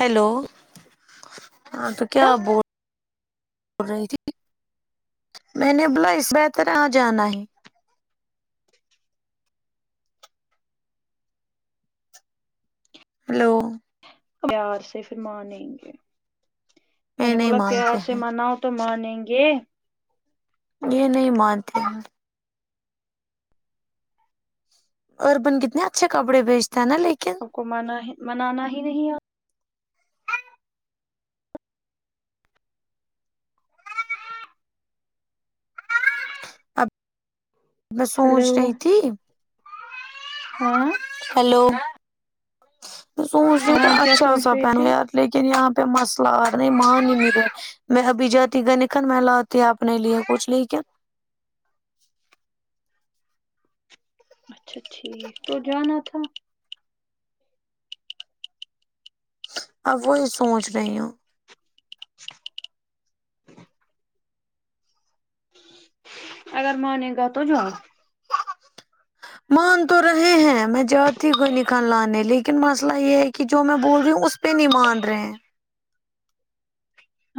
hello ہاں تو کیا ب بول رہی تھی میں نے بولا اس بہتر یہاں جانا ہے ہلو پیار سے پھر مانیں گے میں یہ نے نہیں بولا مانتے پیار سے ہیں مانا ہو تو مانیں گے یہ نہیں مانتے ہیں اربن کتنے اچھے کپڑے بھیجتے ہیں نا لیکن کو مانا منانا ہی نہیں آتا اب میں سوچ ہلو رہی تھی ہاں ہیلو سوچ رہ کہ ہاں کیا اچھا سوچ سبپ رہے تھے یار لیکن یہاں پہ مسئلہ اور نہیں مان ملے میں ابھی جاتی گ نکن مل آتی اپنے لیے کچھ نہیں کیا اچھا ٹھیک تو جانا تھا اب وہی سوچ رہی ہوں [inaudible] اگر مارگ گاتو جاؤ مان تو رہے ہیں میں جاتی کوئی نکل لانے لیکن مسئلہ یہ ہے کہ جو میں بول رہی ہوں اس پے نہیں مان رہے ہیں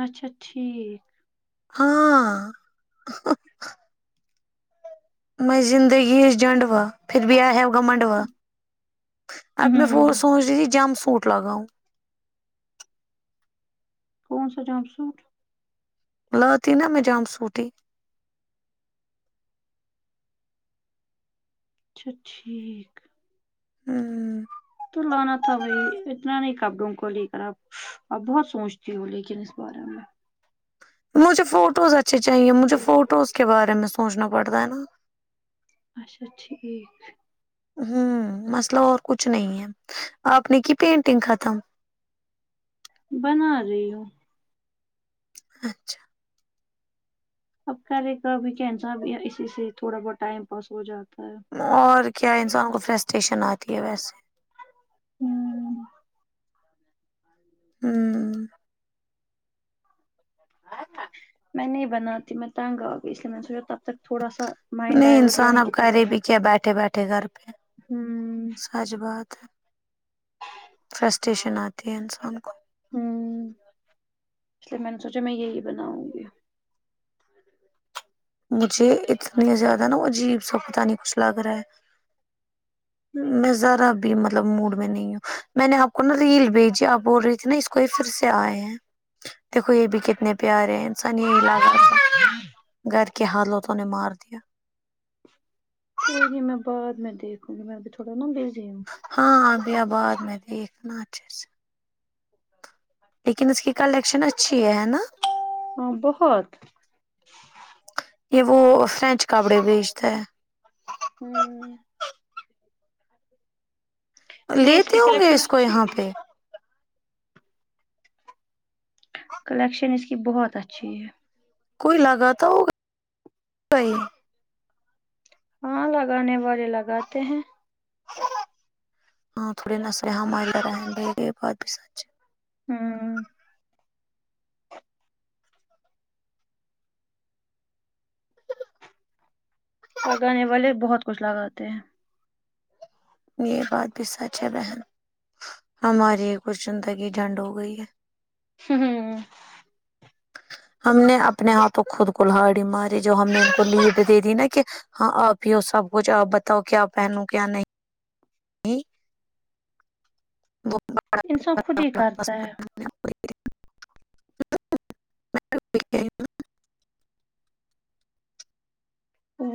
اچھا ٹھیک ہاں میں زندگی اس جنڈوا پھر بھی آ ہے گمنڈوا اب میں وہ ہوں سوچ رہی تھی جم سوٹ لگاؤں کون سا جمپ سوٹ لاتی نا میں جام سوٹی ہی اچھا ٹھیک ہوں تو لانا تھا بھائی اتنا نہیں کپ ڈونگ کو لے کر آپ اب بہت سوچتی ہووں لیکن اس بارے میں مجھے فوٹوز اچھے چاہیے مجھے فوٹوز کے بارے میں سوچنا پڑتا ہے نا اچھا ٹھیک ہوں مسلب اور کچھ نہیں ہے آپ نے کی پینٹنگ ختم بنا رہی ہو اچھا اب کرے کاب کینسا اسی سے تھوڑا بہت ٹائم پاس ہو جاتا ہے اور کیا انسان کو فرسٹیریشن آتی ہے ویسے ہوں ہوں ہاںاں [unintelligible] میں نہیں بناتی میں تانگ آ گ ا اس لیے میں نے سوچا تب تک تھوڑا سا مائنڈ نہیں ڈائیورٹ انسان یہیں اب کی کہہ رہے طرف بھی کیا بیٹھے بیٹھے گھر پہ ہوں حج بات ہے فرسٹیریشن آتی ہے انسان کو ہوں اس لیے میں نے سوچا میں یہی بناؤں گی مجھے اتنی زیادہ نا عجیب سا پت نہیں کچھ لگ رہا ہے میں ذرا اب مطلب موڈ میں نہیں ہوں میں نے آپ کو نا ریل بھیجی آپ بول رہی تھی نا اس کوئی پھر سے آئے ہیں دیکھو یہ بھی کتنے پیارے ہیں انسان یہی لگا تھا ہاں گھر کی حالتوں نے مار دیا کوئی نہیں میں بعد میں دیکھوں گی میں ابھی تھوڑا نا بزی ہوں ہاں ا بیا بعد میں دیکھناا اچھے سے لیکن اس کی کلیکشن اچھی ہے ہے نا ہاں بہت یہ وہ فرینچ کپڑے بھیجتا ہے ہوں نہیں اس لیتے کی ہوں گے کلیکشن اس کو اچھی یہاں ہے پہ کلیکشن اس کی بہت اچھی ہے کوئی لگا تو ہوگا [unintelligible] ہاں لگانے والے لگاتے ہیں ہاں تھوڑے ن س ب بھی سچ [unintelligible] ہاں لگانے والے بہت کچھ لگاتے ہیں یہ بات بھی سچ ہے بہن ہماری کچھ زندگی جھنڈ ہو گئی ہے ہ ہ ہم نے اپنے ہات کو خود کولہاڑی ماری جو ہم نے ان کو لیڈ دے دی نا کہ ہاں آپ ہی ہو سب کچھ آپ بتاؤ کیا پہنو کیا نہیں وہ [inaudible] انسان خود ہی کرتا ہے [unintelligible] [unintelligible] [unintelligible]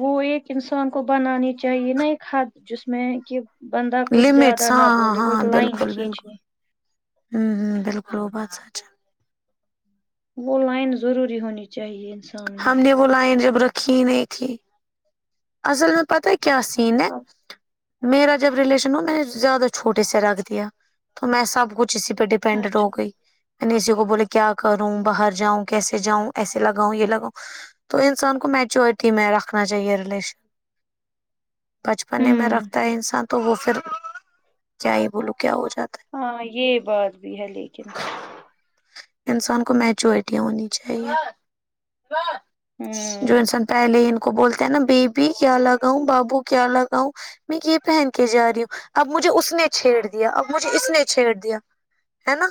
وہ ایک انسان کو بنانی چاہیے نا ایک حد جس میں کہ بندہ کچھ لمٹس زیادہ ہاں نہ ہاں بولے ہاں وہت لائن بالکل بالکل کھینچنی ہوں ہوں بالکل وہ بات سچ ہے وہ لائن ضروری ہونی چاہیے میں ہم نے وہ لائن جب رکھی ہی نہیں تھی اصل میں پتہ کیا سین ہے میرا جب ریلیشن ہو میں نے زیادہ چھوٹے سے رکھ دیا تو میں سب کچھ اسی پہ ڈ پنڈ رو اچھا گئی نے اسی کو بولے کیا کروں باہر جاؤں کیسے جاؤں ایسے لگاؤں یہ لگاؤ تو انسان کو میچورٹی میں رکھنا چاہیے ریلیشن بچپنے میں ہوں رکھتا ہے انسان تو وہ پھر کیا ہی بولو کیا ہو جاتا ہاں یہ بات بھی ہے لیکن انسان کو میچورٹی ہونی چاہیے جو ہوں انسان پہلے ہی ان کو بولتا ہیں نا بیبی کیا لگاؤں بابو کیا لگاؤں میں یہ پہن کے جا رہی ہوں اب مجھے اس نے چھیڑ دیا اب مجھے اس نے چھیڑ دیا ہے نا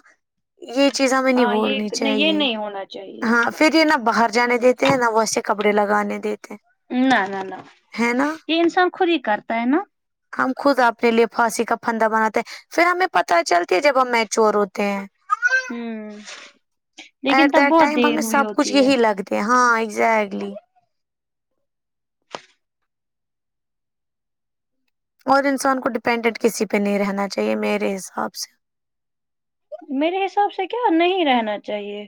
یہ چیز ہمیں نہیں ہاں یہ بولنی نہیں یہ چاہیے نہیں ہونا چاہیے ہاں پھر یہ نہ باہر جانے دیتے ہیں نہ ویسے کپڑے لگانے دیتے ہیں نہ نہ نہ ہے نا یہ انسان خود ہی کرتا ہے نا ہم خود اپنے لیے پھانسی کا پھندا بناتے ہیں پھر ہمیں پتہ چلتی ہے جب ہم میچور ہوتے ہیں ھم ایٹ دیٹ ٹائم ہمیں سب کچھ یہی لگتے ہاں ایزیکٹلی اور انسان کو ڈپینڈنٹ کسی پہ نہیں رہنا چاہیے میرے حساب سے میرے حساب سے کیا نہیں رہنا چاہیے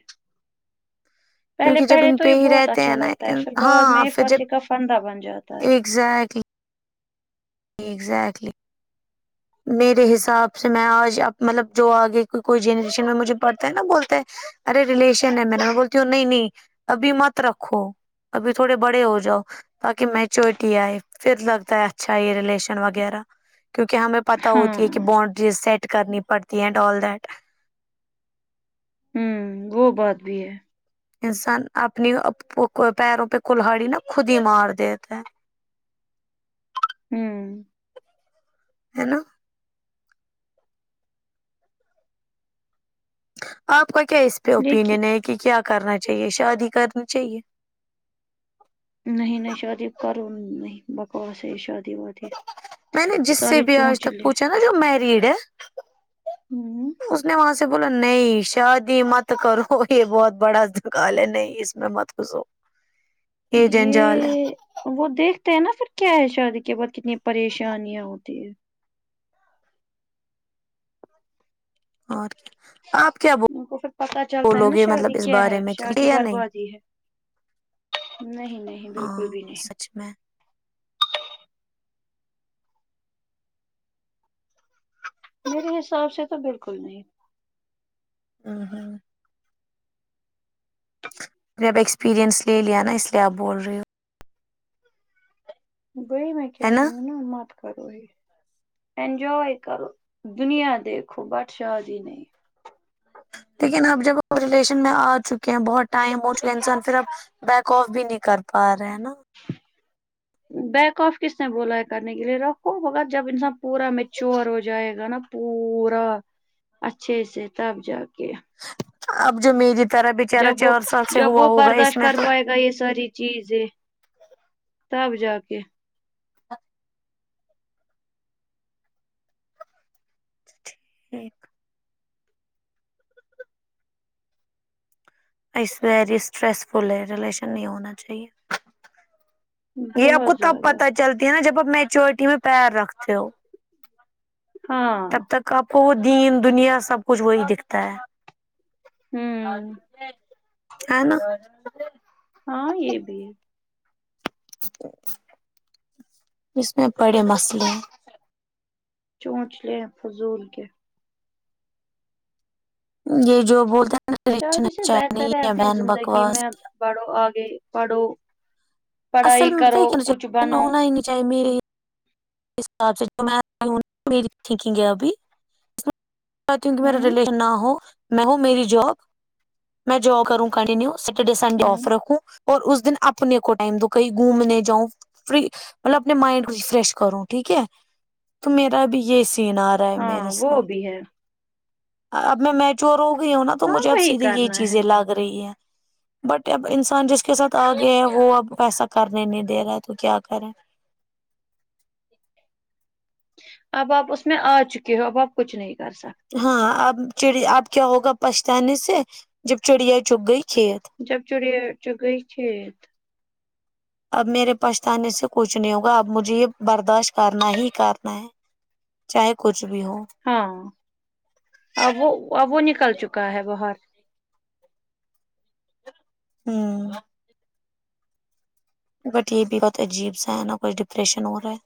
پہلے کیونکہ جب پہلے ان تو پہ یہ ہی بہت رہتے اچھا ہیں نا لگتا ہے پھر بعد میں ہاں یہ پھر جب پھانسی کا فنندہ بن جاتا ہے ایگزیکٹلی اگزیکٹلی میرے حساب سے میں آج اب مطلب جو آگے کی کوئی جنریشن میں مجھے پڑھتا ہے نا بولتے ہیں ارے ریلیشن ہے میرا میں بولتی ہوں نہیں نہیں ابھی مت رکھو ابھی تھوڑے بڑے ہو جاؤ تاکہ میچورٹی آئے پھر لگتا ہے اچھا ریلیشن وغیرہ کیونکہ ہمیں پتاہوتی ہے ہاں کہ بانڈ چیز سیٹ کرنی پڑتی ہے ٹی اینڈ ال دیٹ ھم وہ بات بھی ہے انسان اپنی پیروں پہ کلہڑی ناخود ہی مار دیتا ہے ھم ہے نا آپ کا کیا اس پہ اوپینین لیکن ہے کہ کیا کرنا چاہیے شادی کرنی چاہیے نہیں نہیں شادی کروں نہیں بکواس ہے ہی شادی وادی میں نے جس سے سارے بھی آج تک چونچلے پوچھا نا جو مریڈ ہے ہوں اس نے وہاں سے اس نے بولاو نہیں شادی مت کرو یہ بہت بڑا دکال ہے نہیں اس میں مت غسو [inaudible] یہے وہ دیکھتے ہیں نا پھر کیا ہے شادی کے بعد کتنی پریشانیاں ہوتی ہے اور کیا آپ کیا ان کو پھر پتا چلتا ہے بولو نا گے شادی مطلب اس کیا ہے بارے میں شادی یا نہیں بربادی ہے نہیں نہیں بالکل ہاں بھی نہیں سچ میں میرے حساب سے تو بالکل نہیں ہاں ہاں میں اب ایکسپریئنس لے لیا نا اس لیے آپ بول رہی ہو وہی میں کہہ ہے نا رہی ہوں نہ مت کرو ہی انجوائے کرو دنیا دیکھو بٹ شادی نہیں لیکن اب جب وہ ریلیشن میں آ چکے ہیں بہت ٹائم ہو چکے ہیں انسان پھر اب بیک آف بھی نہیں کر پا رہے ہے نا بیک اف کس نے بولا ہے کرنے کے لے رکھو مگر جب انسان پورا میچور ہو جائے گا نا پورا اچھے سے تب جا کے اب جو میری طرح بچارا جب وہ چار سال سے جب ہوا وہ ہوگا اس برداشت میں کر تو پائے گا یہے ساری جی جی تب جا کے [inaudible] ایک اس ویری اسٹریس فل ہے ریلیشن نہیں ہونا چاہیے یہ آپ کو بہت تب زیادہ پتا چلتی ہے نا جب آپ میچورٹی میں پییر رکھتے ہو ہاں تب تک آپ کو وہ دین دنیا سب کچھ وہی دکھتا ہے ہوں ا نا ہاں یہ بھی ہے اس میں بڑے مسئلے چونچ لے فضول کے یہ جو بولتا ہیں شاعری نا ہے بہن بکواس پڑھو آگے پڑھو پڑھائی کرو کچھ بنو چائ مییری اس حاب سے جو میںئی ہوں میری ٹھیکنگ ہے ابھی اس میں اہتیوں کہ میرا ہوں ریلیشن نہ ہو میں ہوں میری جاب میں جاب کروں کنٹینیو سٹرڈے سنڈے ہوں آفر رکھوں اور اس دن اپنے کو ٹائم دو کہیں گھومنے جاؤں فری مطلب اپنے مائنڈ کو فریش کروں ٹھیک ہے تو میرا بھی یہ سین آ رہا ہے میرے ہاں وہ ساتھ بھی ہے اب میں میچور ہو گئی ہوں نا تو ہاں مجھے اب وہی سیدھے یہی کرنا ہے چیزیں لگ رہی ہیں بٹ اب انسان جس کے ساتھ آ گیا ہے وہ اب ویسا کرنے نہیں دے رہا ہے تو کیا کرے ایک اب آپ اس میں آ چکے ہو اب آپ کچھ نہیں کر سکتے ہاں اب چڑ اب کیا ہوگا پچھتانے سے جب چڑیا چگ گئی کھیت جب چڑی چ گئی تھ اب میرے پچھتانے سے کچھ نہیں ہوگا اب مجھے یہ برداشت کرنا ہی کرنا ہے چاہے کچھ بھی ہو ہاں اب وہ اب وہ نکل چکا ہے باہر ہوں بٹ یہ بھی بہت عجیب سا ہے نا کچھ ڈپریشن ہو رہا ہے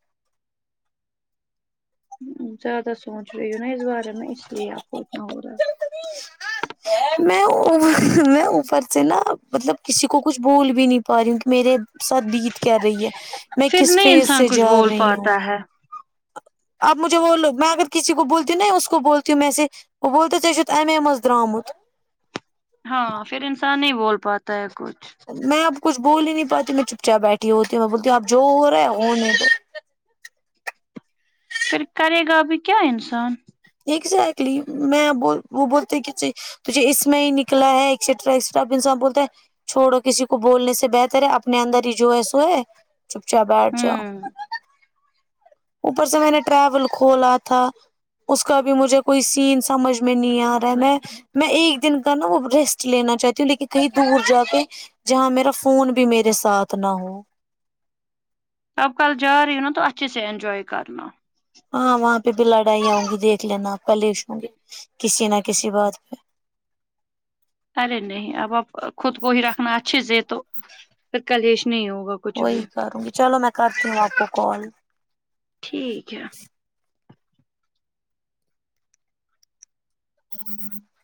زیادہ سونچ رہی ہو نا ا اس بارے میں ا اس لیے آپ ہوورا میں میں اوپر سے نا مطلب کسی کو کچھ بھول بھی نہیں پا رہی ہوں کہ میرے ساتھ بیت کر رہی ہے میں پھر کس نہیں فیز انسان سے کچھ جا بول رہی پاتا ہوں ہے اب مجھے وہو میں اگر کسی کو بولتی ہوں ن اس کو بولتی ہوں میں سے بول تو چے چت امے م میں درامت ہاں پھر انسان نہیں بول پاتا ہے کچھ میں اب کچھ بول ہی نہیں پاتی میں چپ چاپ بیٹھی ہوتی ہوں میں بولتی ہوںب جو ہو رہا ہے ا نہیں تو پھر کرے گا ب کیا انسان ایکزیکلی میں وہ بولتے گ توج جو اس میں ہی نکلا ہے ایکسٹراسٹا بولتا ہے چھوڑو کسی کو بولنے سے بہتر ہے اپنے اندر ہی جو ہے سو ہے چپ چاپ بیٹھ جاؤ ہوں اوپر سے میں نے ٹریول کھولا تھا اس کا بھی مجھے کوئی سین سمجھ میں نہیں آ رہا ہے میں میں ایک دن کا نا وہ ریسٹ لینا چاہتی ہوں لیکن کہیں دور جا کے جہاں میرا فون بھی میرے ساتھ نہ ہو تبقل جار رہ نا تو اتھی سے اینجوائے کرنا ہاں وہاں پہ بھی لڑائییاں ہوں گی دیکھ لینا کلیش ہوں گی کسی نہ کسی بات پہ ارے نہیں اب اب خود کو ہی رکھنا اچھے سے تو کلیش نہیں ہوگا کچھ وہی بھی کروں گی چلو میں کرتی ہوں آپ کو کال ٹھیک ہے ہی